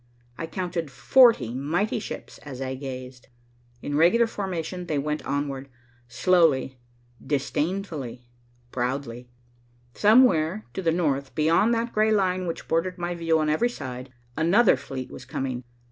I counted forty mighty ships as I gazed. In regular formation they went onward, slowly, disdainfully, proudly. Somewhere to the north, beyond that gray line which bordered my view on every side, another fleet was coming.